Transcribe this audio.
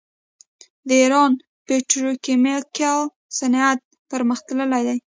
د ایران پتروکیمیکل صنعت پرمختللی دی.